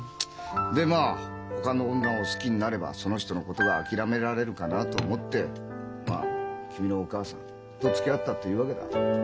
でまあほかの女を好きになればその人のことが諦められるかなと思ってまあ君のお母さんとつきあったというわけだ。